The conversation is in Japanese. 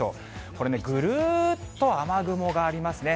これね、ぐるっと雨雲がありますね。